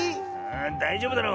だいじょうぶだろ。